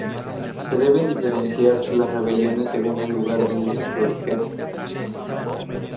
Se deben diferenciar las rebeliones según el lugar donde se produjeron.